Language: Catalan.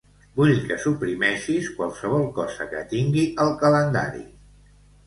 Vull que suprimeixis qualsevol cosa que tingui al calendari.